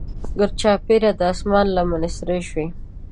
ګرچاپیره د اسمان لمنې سرې شوې.